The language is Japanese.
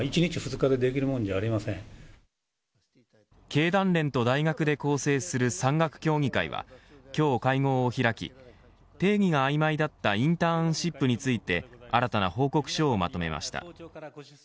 経団連と大学で構成する産学協議会は今日、会合を開き定義があいまいだったインターンシップについて新たな報告書をまとめました。